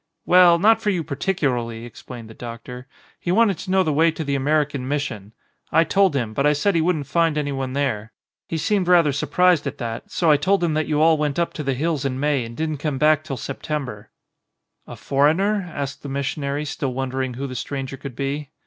"Well, not for you particularly," explained the doctor. "He wanted to know the way to the American Mission. I told him; but I said he wouldn't find anyone there. He seemed rather sur prised at that, so I told him that you all went up to the hills in May and didn't come back till Sep tember." 136 THE STRANGEB, "A foreigner?" asked the missionary, still won dering who the stranger could be.